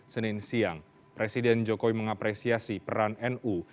senin siang presiden jokowi mengapresiasi peran nu